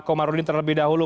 pak komarudin terlebih dahulu